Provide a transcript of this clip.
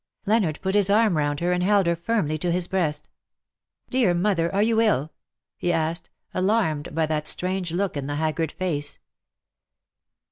Leonard put his arm round her, and held her firmly to his breast. ^' Dear mother, are you ill V he asked, alarmed by that strange look in the haggard face.